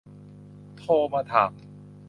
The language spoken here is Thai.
โทรมาถาม